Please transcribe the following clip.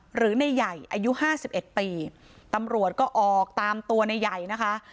หรือในใหญ่อายุห้าสิบเอ็ดปีตำรวจก็ออกตามตัวในใหญ่นะคะ